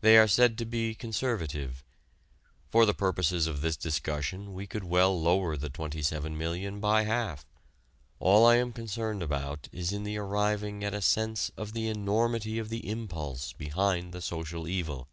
They are said to be conservative. For the purposes of this discussion we could well lower the 27,000,000 by half. All I am concerned about is in arriving at a sense of the enormity of the impulse behind the "social evil."